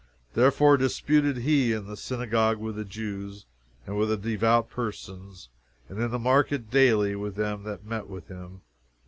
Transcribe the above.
Therefore disputed he in the synagogue with the Jews, and with the devout persons, and in the market daily with them that met with him.